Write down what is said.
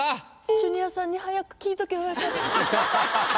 ジュニアさんに早く聞いとけば良かった。